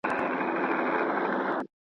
په څه لږو الوتو سو په ځان ستړی .